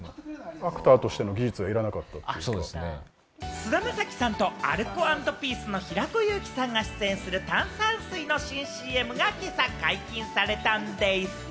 菅田将暉さんとアルコ＆ピースの平子祐希さんが出演する炭酸水の新ＣＭが今朝、解禁されたんです。